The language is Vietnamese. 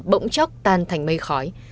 bỗng chốc tan thành mây khói